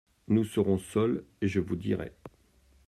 Nous serons seuls, et je vous dirai…